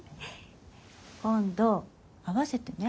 今度会わせてね。